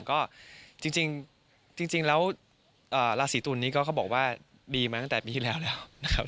ก็จริงแล้วราศีตุลนี้ก็เขาบอกว่าดีมาตั้งแต่ปีที่แล้วแล้วนะครับ